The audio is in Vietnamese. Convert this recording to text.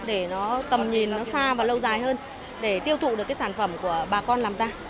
để nó tầm nhìn nó xa và lâu dài hơn để tiêu thụ được cái sản phẩm của bà con làm ra